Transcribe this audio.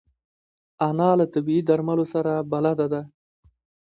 انا له طبیعي درملو سره بلد ده